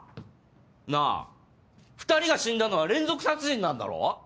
なあ２人が死んだのは連続殺人なんだろ？